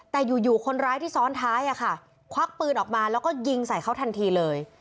แต่อยู่คนร้ายที่ซ้อนท้ายควักปืนออกมาแล้วก็ยิงใส่เขาทันทีเลย